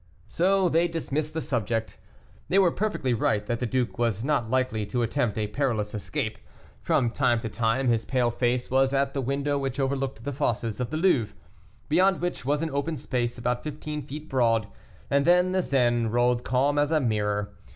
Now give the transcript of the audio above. So they dismissed the subject. They were perfectly right that the duke was not likely to attempt a perilous escape. From time to time his pale face was at the window which overlooked the fosses of the Louvre, beyond which was an open space about fifteen feet broad, and then the Seine rolled calm as a mirror.